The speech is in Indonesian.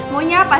maunya apa sih